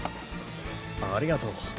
ありがとう。